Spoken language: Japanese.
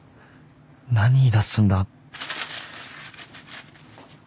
何言いだすんだ。